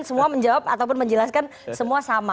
semua menjawab ataupun menjelaskan semua sama